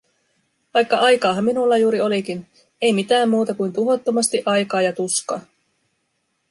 Vaikka aikaahan minulla juuri olikin… Ei mitään muuta kuin tuhottomasti aikaa ja tuskaa.